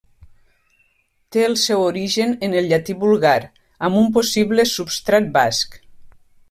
Té el seu origen en el llatí vulgar, amb un possible substrat basc.